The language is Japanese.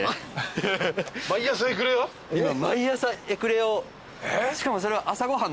毎朝エクレア？